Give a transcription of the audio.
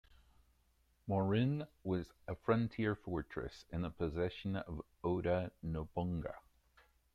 Marune was a frontier fortress in the possession of Oda Nobunaga.